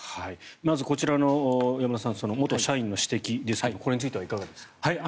まず、山田さんこちらの元社員の指摘ですがこれについてはいかがですか？